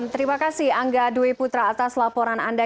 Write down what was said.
terima kasih angga dwi putra atas laporan anda